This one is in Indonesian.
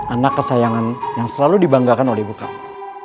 anak kesayangan yang selalu dibanggakan oleh ibu kamu